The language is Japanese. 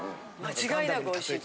間違いなくおいしいって。